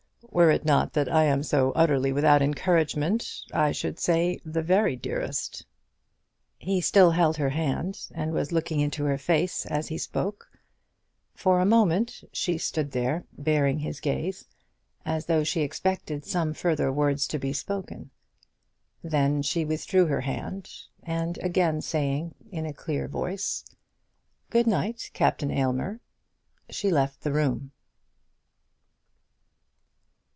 "Were it not that I am so utterly without encouragement, I should say the very dearest." He still held her hand, and was looking into her face as he spoke. For a moment she stood there, bearing his gaze, as though she expected some further words to be spoken. Then she withdrew her hand, and again saying, in a clear voice, "Good night, Captain Aylmer," she left the room.